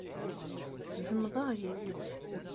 Zemḍeɣ yiwet.